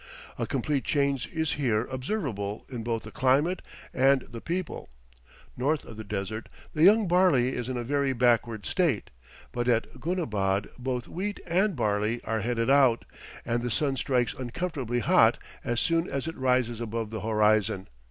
A complete change is here observable in both the climate and the people; north of the desert the young barley is in a very backward state, but at Goonabad both wheat and barley are headed out, and the sun strikes uncomfortably hot as soon as it rises above the horizon.